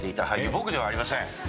僕ではありません。